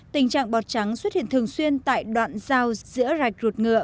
tình trạng bọt trắng xuất hiện thường xuyên tại đoạn giao giữa rạch rụt ngựa